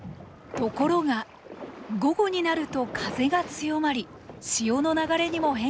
ところが午後になると風が強まり潮の流れにも変化が。